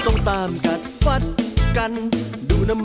สวัสดีครับ